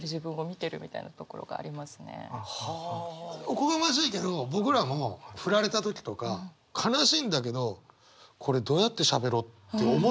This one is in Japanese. おこがましいけど僕らもフラれた時とか悲しいんだけどこれどうやってしゃべろうって思ってるもん。